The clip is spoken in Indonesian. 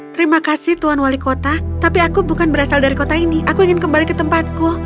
terima kasih tuan wali kota tapi aku bukan berasal dari kota ini aku ingin kembali ke tempatku